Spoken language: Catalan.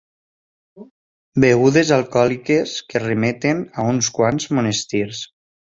Begudes alcohòliques que remeten a uns quants monestirs.